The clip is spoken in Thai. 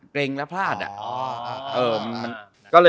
เกรงแล้วพลาดอะ